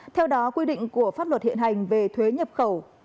theo đó quy định của pháp luật hiện hành về thuế nhập khẩu